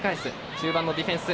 中盤のディフェンス。